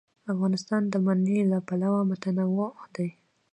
افغانستان د منی له پلوه متنوع دی.